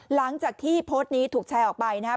หลังจากที่โพสต์นี้ถูกแชร์ออกไปนะครับ